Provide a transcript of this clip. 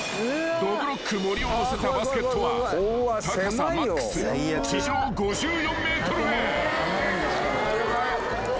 ［どぶろっく森を乗せたバスケットは高さマックス地上５４ｍへ］